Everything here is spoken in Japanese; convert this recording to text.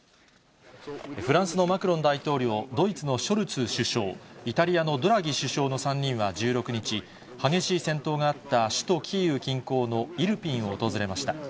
フランスのマクロン大統領、ドイツのショルツ首相、イタリアのドラギ首相の３人は１６日、激しい戦闘があった首都キーウ近郊のイルピンを訪れました。